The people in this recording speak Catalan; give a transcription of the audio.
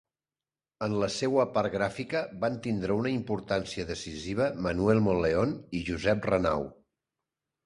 En la seua part gràfica van tindre una importància decisiva Manuel Monleón i Josep Renau.